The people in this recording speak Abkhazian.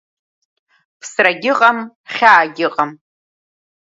Ԥсрагьы ыҟам, хьаагь ыҟам.